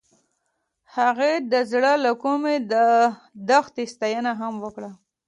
هغې د زړه له کومې د دښته ستاینه هم وکړه.